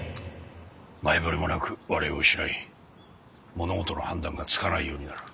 前触れもなく我を失い物事の判断がつかないようになる。